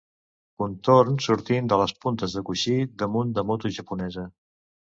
Contorn sortint de les puntes de coixí damunt de moto japonesa.